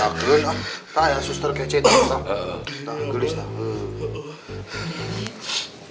tak ya suster kece